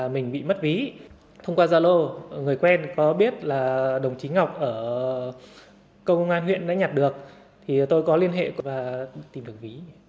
mình bị mất ví thông qua gia lô người quen có biết là đồng chí ngọc ở công an huyện đã nhặt được thì tôi có liên hệ và tìm được ví